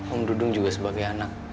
om dudung juga sebagai anak